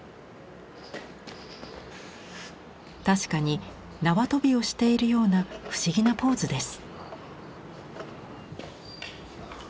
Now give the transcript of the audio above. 確かに縄跳びをしているような不思議なポーズです。